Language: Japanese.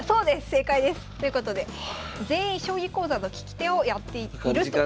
正解です！ということで全員将棋講座の聞き手をやっているということです。